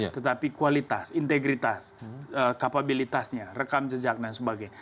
tetapi kualitas integritas kapabilitasnya rekam jejak dan sebagainya